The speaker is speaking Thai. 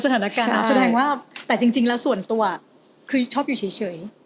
แต่จริงแล้วส่วนตัวคือชอบอยู่เฉย